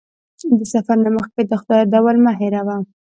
د سفر نه مخکې د خدای یادول مه هېروه.